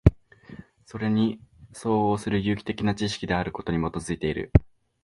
それに相応する有機的な知識であることに基いている。